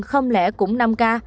không lẽ cũng năm ca